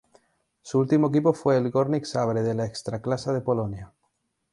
Su último equipo fue el Górnik Zabrze de la Ekstraklasa de Polonia.